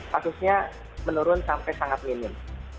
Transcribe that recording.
kasusnya menurun sampai sangat minim